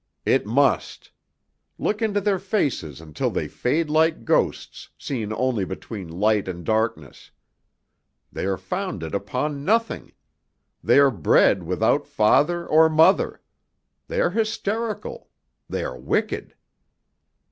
"It must. Look into their faces until they fade like ghosts, seen only between light and darkness. They are founded upon nothing; they are bred without father or mother; they are hysterical; they are wicked.